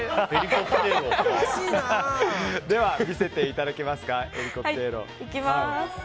では、見せていただけますか。